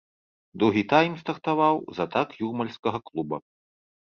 Другі тайм стартаваў з атак юрмальскага клуба.